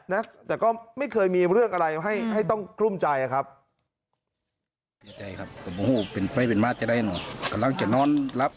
นะแต่ก็ไม่เคยมีเรื่องอะไรให้ต้องกลุ้มใจครับ